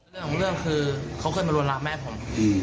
เรื่องของเรื่องคือเขาเคยมารวนลามแม่ผม